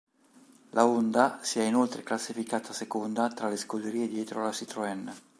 La Honda si è inoltre classificata seconda tra le scuderie dietro alla Citroën.